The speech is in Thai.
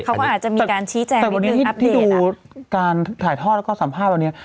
เขาก็อาจจะมีการชี้แจงนิดหนึ่งอัพเดทอ่ะแต่วันนี้ที่ดูการถ่ายทอดแล้วก็สัมภาพแบบนี้